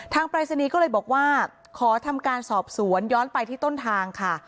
ปรายศนีย์ก็เลยบอกว่าขอทำการสอบสวนย้อนไปที่ต้นทางค่ะ